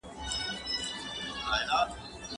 ایا بهرني سوداګر پسته صادروي؟